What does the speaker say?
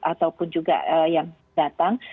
ataupun juga yang datang